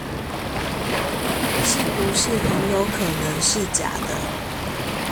是不是很有可能是假的